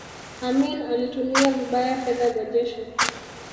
amin alitumia vibaya fedha za jeshi